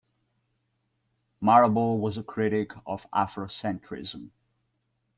Marable was a critic of Afrocentrism.